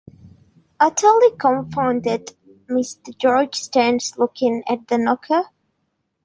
Utterly confounded, Mr. George stands looking at the knocker.